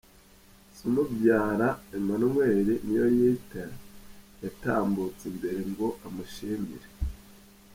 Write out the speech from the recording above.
Se umubyara Emmanuel Niyoyita yatambutse imbere ngo amushimire.